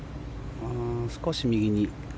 少し右に。